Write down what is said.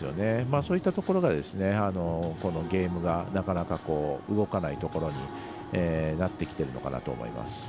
そういったところがこのゲームがなかなか動かないところになってきてるのかなと思います。